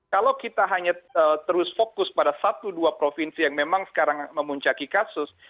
kalau kita hanya terus fokus pada satu dua provinsi yang memang sekarang memuncaki kasus